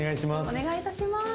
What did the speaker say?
お願いします。